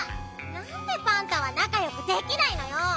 なんでパンタはなかよくできないのよ！